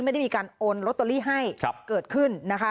ไม่ได้มีการโอนลอตเตอรี่ให้เกิดขึ้นนะคะ